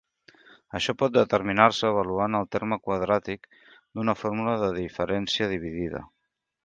Això pot determinar-se avaluant el terme quadràtic d'una fórmula de diferència dividida.